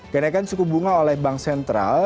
kenaikan suku bunga oleh bank sentral